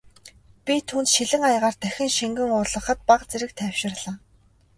Би түүнд шилэн аягаар дахин шингэн уулгахад бага зэрэг тайвширлаа.